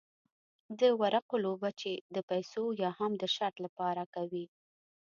د ورقو لوبه چې د پیسو یا هم د شرط لپاره کوي.